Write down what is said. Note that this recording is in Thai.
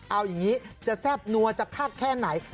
เอาอย่างนี้จะแซ่บนัวจะคาดแค่ไหน